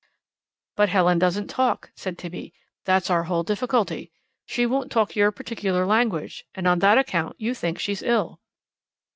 "But Helen doesn't talk," said Tibby. "That's our whole difficulty. She won't talk your particular language, and on that account you think she's ill."